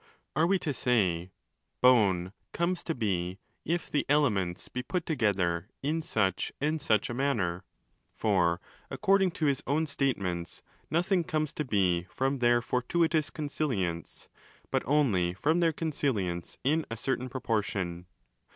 Are we to say 'Bone comes to be if the "elements"' be put together in such and such a manner'? For, accord 10 ing to his own statements, nothing comes to be from their 'fortuitous consilience', but only from their ' consilience ' in a certain proportion.